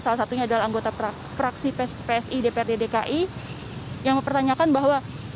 salah satunya adalah anggota fraksi psi dprd dki yang mempertanyakan bahwa